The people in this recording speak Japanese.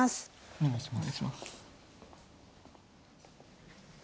お願いします。